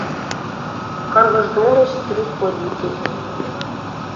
Кыргыж толеш трӱк водитель.